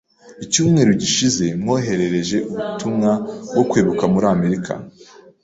Icyumweru gishize, mwoherereje ubutumwa bwo kwibuka muri Amerika